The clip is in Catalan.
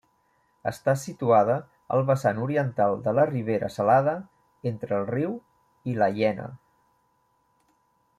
Està situada al vessant oriental de la Ribera Salada entre el riu i La Llena.